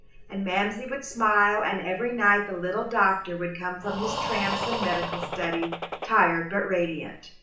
And Mamsie would smile, and every night the little doctor would tome from his tramps and medical study, tired but radiant.